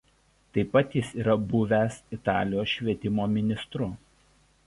Taip pat jis yra buvęs Italijos švietimo ministru.